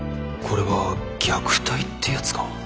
これは虐待ってやつか？